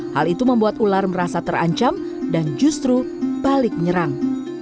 hal itu membuat ular merasa terancam dan justru balik menyerang